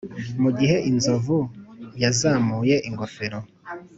mugihe inzovu yazamuye ingofero.